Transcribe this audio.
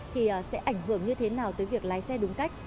thì sẽ ảnh hưởng như thế nào tới việc lái xe đúng cách